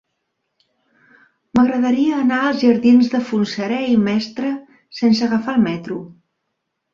M'agradaria anar als jardins de Fontserè i Mestre sense agafar el metro.